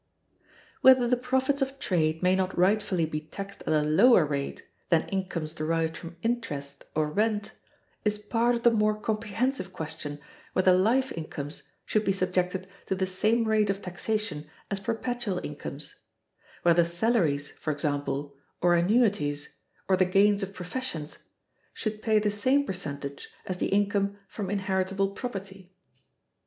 Whether the profits of trade may not rightfully be taxed at a lower rate than incomes derived from interest or rent is part of the more comprehensive question whether life incomes should be subjected to the same rate of taxation as perpetual incomes; whether salaries, for example, or annuities, or the gains of professions, should pay the same percentage as the income from inheritable property.